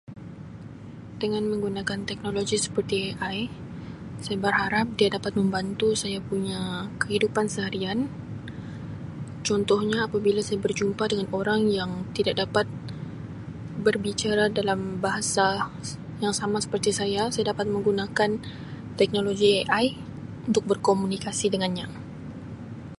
Dengan menggunakan teknologi seperti AI saya berharap dia dapat membantu saya punya kehidupan seharian. Contohnya apabila saya berjumpa dengan orang yang tidak dapat berbicara dalam bahasa yang sama seperti saya, saya dapat menggunakan teknologi AI untuk berkomunikasi dengannya.